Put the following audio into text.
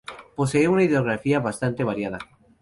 Posee una hidrografía bastante variada.